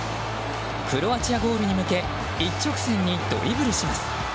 クロアチアゴールに向け一直線にドリブルします。